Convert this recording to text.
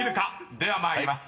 ［では参ります。